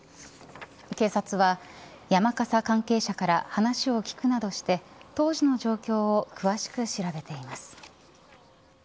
警察は山笠関係者から話を聞くなどして当時の状況を詳しく調べています。